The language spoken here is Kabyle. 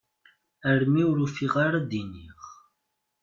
Armi ur ufiɣ ara d-iniɣ.